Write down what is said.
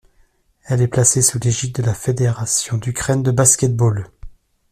Elle est placée sous l'égide de la Fédération d'Ukraine de basket-ball.